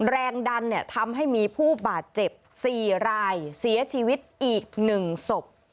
แรงดันทำให้มีผู้บาดเจ็บ๔รายเสียชีวิตอีก๑ศพ